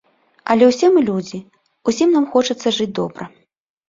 Але ўсе мы людзі, усім нам хочацца жыць добра.